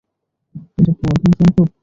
এটা কি আদৌ সম্ভব?